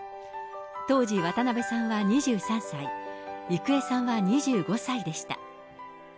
当時、渡辺さんは２３歳、郁恵さんは２５歳でした。